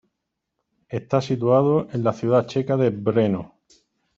Está situado en la ciudad checa de Brno.